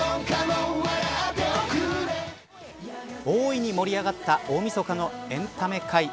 大いに盛り上がった大みそかのエンタメ界。